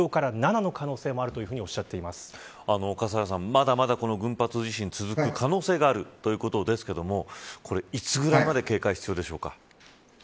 まだまだ、この群発地震続く可能性があるということですがこれ、いつぐらいまで警戒が必要でしょうか。